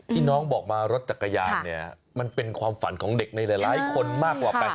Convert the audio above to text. ที่น้องบอกมารถจักรยานเนี่ยมันเป็นความฝันของเด็กในหลายคนมากกว่าไป